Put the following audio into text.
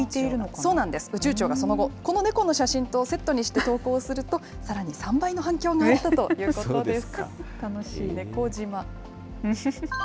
宇宙庁がその後、この猫とセットにして投稿すると、さらに３倍の反響があったということです。